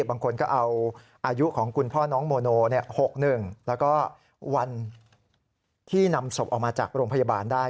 บางคนก็เอาอายุของคุณพ่อน้องโมโน๖๑แล้วก็วันที่นำศพออกมาจากโรงพยาบาลได้